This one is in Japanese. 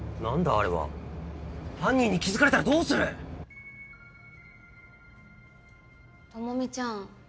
あれは犯人に気付かれたらどうする⁉朋美ちゃん。